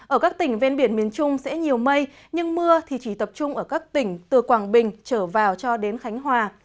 ở các tỉnh ven biển miền trung sẽ nhiều mây nhưng mưa thì chỉ tập trung ở các tỉnh từ quảng bình trở vào cho đến khánh hòa